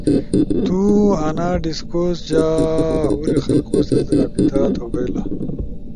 تو انا ڈیسکورس جا ہور خلقو ست رابطہ تو بھئیل